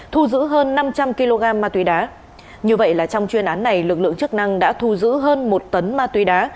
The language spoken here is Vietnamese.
thu giữ hơn năm trăm linh kg ma túy đá như vậy là trong chuyên án này lực lượng chức năng đã thu giữ hơn một tấn ma túy đá